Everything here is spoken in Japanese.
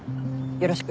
よろしく。